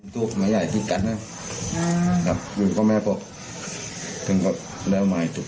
ทุกภรรยาที่ตัดนะครับอยู่ข้อแม่พวกถึงว่าแล้วใหม่ถูก